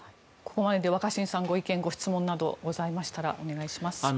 ここまでで若新さんご意見・ご質問などございましたら、お願いします。